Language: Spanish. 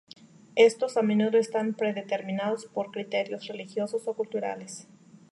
Estos a menudo están predeterminados por criterios religiosos o culturales.